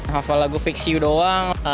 hafal lagu fix you doang